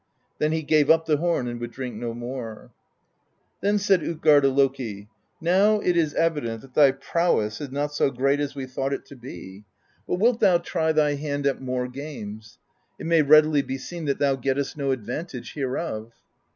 Then he gave up the horn and would drink no more. "Then said tJtgarda Loki : 'Now it is evident that thy prowess is not so great as we thought it to be; but wilt thou try thy hand at more games ? It may readily be seen that thou gettest no advantage hereof.'